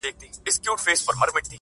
دغه پاڼ به مي په یاد وي له دې دمه!.